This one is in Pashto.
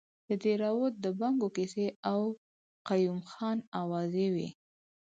د دیراوت د بنګو کیسې او قیوم خان اوازې وې.